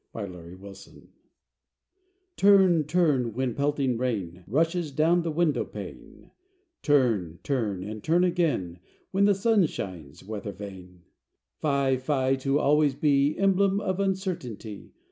THE WEATHER VANE Turn, turn, when pelting rain Rushes down the window pane; Turn, turn, and turn again When the sun shines, weather vane! Fie! Fie! to always be Emblem of uncertainty!